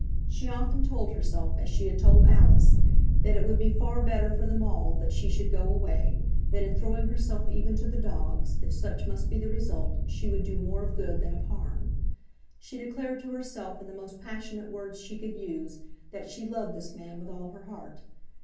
She often told herself, as she had told Alice, that it would be better for them all that she should go away; that in throwing herself even to the dogs, if such must be the result, she would do more of good than of harm. She declared to herself, in the most passionate words she could use, that she loved this man with all her heart.